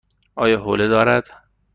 آیا حوله دارد؟